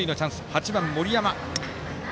８番、森山。